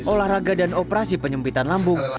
olahraga dan operasi penyempitan lambung